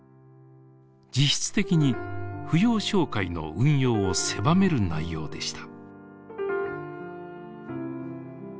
実質的に扶養照会の運用を狭める内容でした。